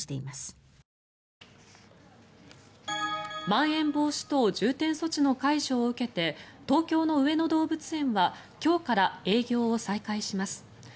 まん延防止等重点措置の解除を受けて東京の上野動物園は今日から営業を再開します。